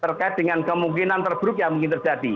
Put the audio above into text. terkait dengan kemungkinan terburuk yang mungkin terjadi